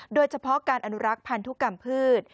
โดยเฉพาะการอนุรักษ์พันธุกรรมพืช